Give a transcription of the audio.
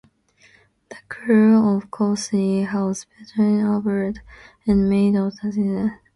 The crew of "Chauncey" hauled Peterson aboard and made the line fast.